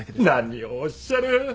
何をおっしゃる。